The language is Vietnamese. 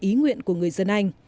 ý nguyện của người dân anh